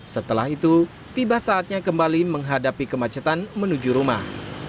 setelah itu tiba saatnya kembali menghadapi kemacetan menuju rumah